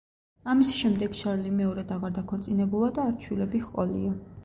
ამის შემდეგ შარლი მეორედ აღარ დაქორწინებულა და არც შვილები ჰყოლია.